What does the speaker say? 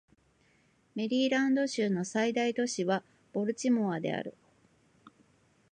メリーランド州の最大都市はボルチモアである